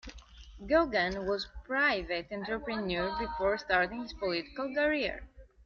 Gogan was a private entrepreneur before starting his political career.